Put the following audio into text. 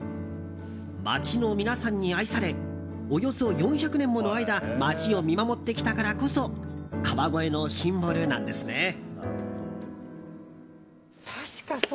街の皆さんに愛されおよそ４００年もの間街を見守ってきたからこそ川越のシンボルなんですね。